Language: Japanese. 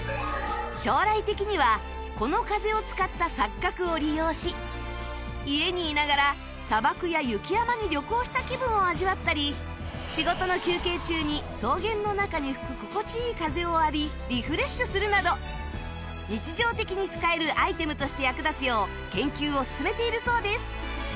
将来的にはこの風を使った錯覚を利用し家にいながら砂漠や雪山に旅行した気分を味わったり仕事の休憩中に草原の中に吹く心地いい風を浴びリフレッシュするなど日常的に使えるアイテムとして役立つよう研究を進めているそうです